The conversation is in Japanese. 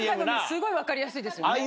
すごい分かりやすいですよね。